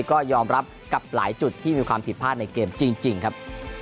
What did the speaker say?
ก็ยอมรับกับหลายจุดที่มีความผิดพลาดในเกมจริงครับ